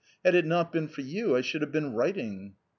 Had it not been for you, I should have been writing.